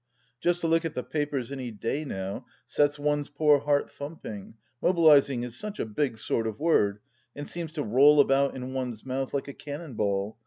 Just to look at the papers any day now sets one's poor heart thumping — mobilizing is such a big sort of word, and seems to roll about in one's mouth like a cannon ball